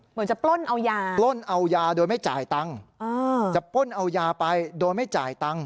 เหมือนจะปล้นเอายาปล้นเอายาโดยไม่จ่ายตังค์จะปล้นเอายาไปโดยไม่จ่ายตังค์